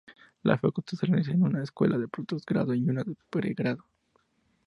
La Facultad se organiza en una escuela de postgrado y una de pregrado.